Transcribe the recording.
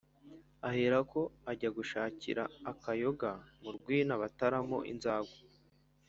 aherako ajya gushakira akayoga mu rwina bataramo inzagwa.